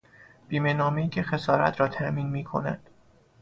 بیمهنامهای که خسارت را تامین میکند